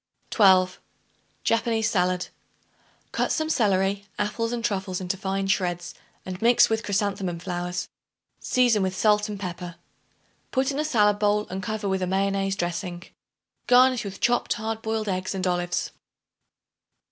12. Japanese Salad. Cut some celery, apples and truffles into fine shreds and mix with chrysanthemum flowers; season with salt and pepper. Put in a salad bowl and cover with a mayonnaise dressing. Garnish with chopped hard boiled eggs and olives.